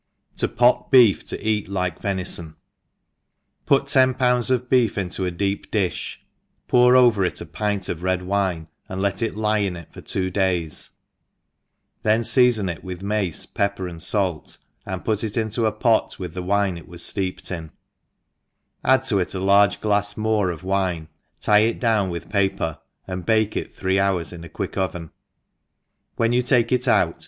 « ^0 pot Beef to eat like Venison. PUT ten pounds of beef into a deep difli, pour over it a pint of red wine, and let it lie in it for two days, then feafon it with mace, pep per, and fait, and put it into a pot with the wine it was fteeped in, add to it a large glafs more of wine, tie it down with paper, and bake it three hours in a quick oven ; when you take it out